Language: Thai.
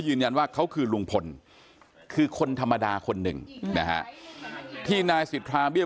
ยืนยันว่าเขาคือลุงพลคือคนธรรมดาคนหนึ่งนะฮะที่นายสิทธาเบี้ย